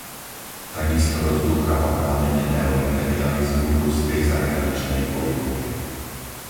Takisto rozdúchava plamene neoimperializmu v ruskej zahraničnej politike.